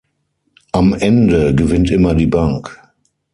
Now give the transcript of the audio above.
Am Ende gewinnt immer die Bank.